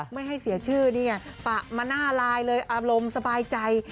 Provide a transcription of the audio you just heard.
ไม่ให้เสียชื่อนี่ไงปะมาหน้าลายเลยอารมณ์สบายใจ